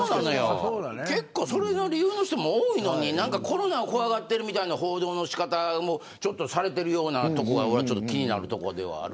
結構その理由の人も多いのにコロナを怖がってるみたいな報道の仕方をされてるところが気になるところ。